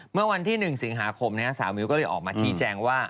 เมื่อวันที่๑สิงหาคมสาวมิวก็เลยออกมาชี้แจงว่า